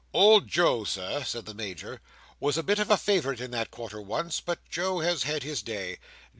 "Old Joe, Sir," said the Major, "was a bit of a favourite in that quarter once. But Joe has had his day.